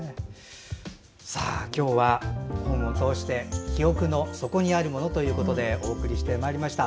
今日は本を通して「記憶の底にあるもの」としてお送りしてまいりました。